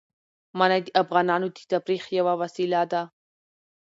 منی د افغانانو د تفریح یوه وسیله ده.